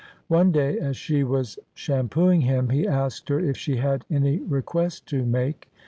One day as she was sham pooing him, he asked her if she had any request to make.